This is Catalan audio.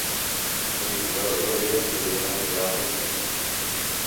El vint-i-nou de febrer en Julià anirà al metge.